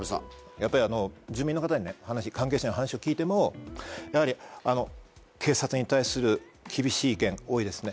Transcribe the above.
やっぱり住民の方関係者に話を聞いてもやはり警察に対する厳しい意見多いですね。